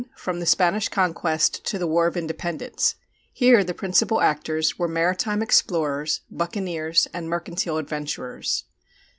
From the Spanish Conquest to the War of Independence: here the principal actors were maritime explorers, buccaneers, and mercantile adventurers; (2).